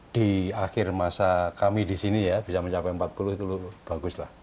di akhir masa kami di sini ya bisa mencapai empat puluh itu bagus lah